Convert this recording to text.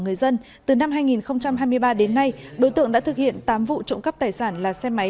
người dân từ năm hai nghìn hai mươi ba đến nay đối tượng đã thực hiện tám vụ trộm cắp tài sản là xe máy